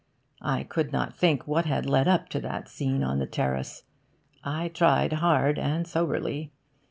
I could not think what had led up to that scene on the terrace. I tried hard and soberly.